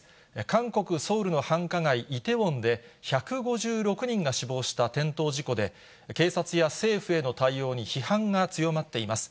韓国・ソウルの繁華街、イテウォンで、１５６人が死亡した転倒事故で、警察や政府への対応に批判が強まっています。